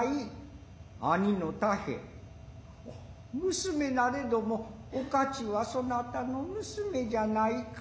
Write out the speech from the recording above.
娘なれどもおかちはそなたの娘じゃないか。